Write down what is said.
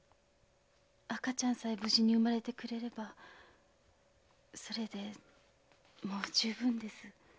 赤ちゃんさえ無事に生まれてくれればそれでもう充分です。